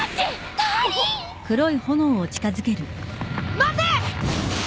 待て！